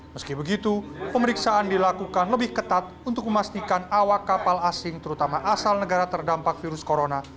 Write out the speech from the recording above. meski begitu pemeriksaan dilakukan lebih ketat untuk memastikan awak kapal asing terutama asal negara terdampak virus corona